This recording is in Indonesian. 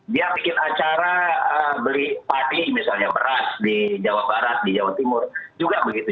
dia bikin acara beli padi misalnya beras di jawa barat di jawa timur juga begitu